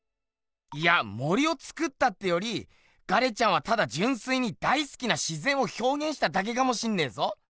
いや森をつくったってよりガレちゃんはただじゅんすいに大すきな自ぜんをひょうげんしただけかもしんねえぞ。